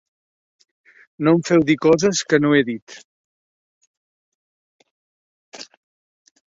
No em feu dir coses que no he dit.